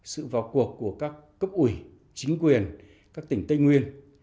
sự vào cuộc của các cấp ủy chính quyền các tỉnh tây nguyên